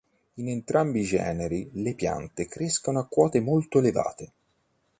In entrambi i generi, le piante crescono a quote molto elevate.